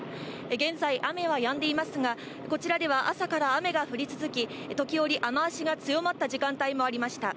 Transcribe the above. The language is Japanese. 現在、雨はやんでいますが、こちらでは朝から雨が降り続き、時折、雨足が強まった時間帯もありました。